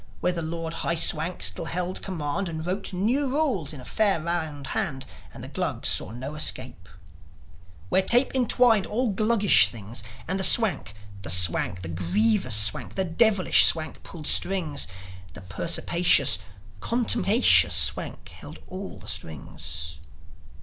Where the Lord High Swank still held command, And wrote new rules in a fair round hand, And the Glugs saw no escape; Where tape entwined all Gluggish things, And the Swank, the Swank, the grievous Swank, The devious Swank pulled strings The perspicacious, contumacious Swank held all the strings.